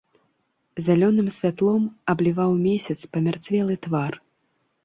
Зялёным святлом абліваў месяц памярцвелы твар.